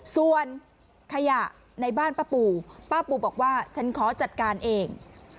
ส่วนขยะในบ้านป้าปูป้าปูบอกว่าฉันขอจัดการเอง